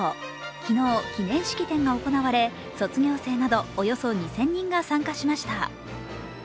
昨日、記念式典が行われ卒業生などおよそ２０００人が参加しました。